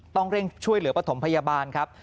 ต้องเร่งช่วยเหลือปฐมพยาบาลครับ